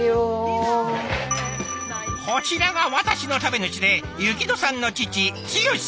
こちらが私の食べ主で薫乃さんの父健志さん。